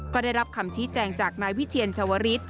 ก็ได้รับคำชี้แจงจากนายวิเชียรชวริส